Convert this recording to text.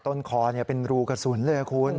ต้นคอเป็นรูกระสุนเลยคุณ